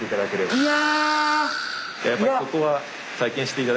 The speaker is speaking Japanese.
いや！